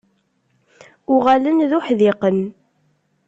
Uɣalen d uḥdiqen.